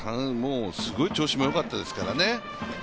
すごい調子もよかったですからね。